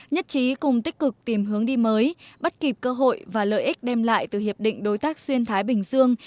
nhất trí cùng tích cực tìm hướng đi mới bắt kịp cơ hội và lợi ích đem lại từ hiệp định đối tác xuyên thái bình dương